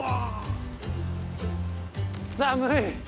◆寒い！